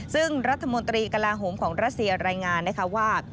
ซึ่งรัฐมนตรีกระลาโหมของรัสเซียรายงานนะคะว่า